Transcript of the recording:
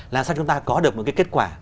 làm sao chúng ta có được một cái kết quả